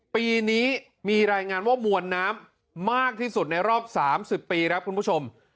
ปีนี้มีรายงานว่ามวลน้ำมากที่สุดในรอบ๓๐ปีครับคุณผู้ชม